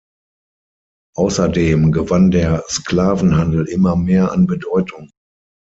Außerdem gewann der Sklavenhandel immer mehr an Bedeutung.